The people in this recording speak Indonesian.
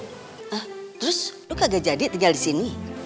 hah terus lu kagak jadi tinggal disini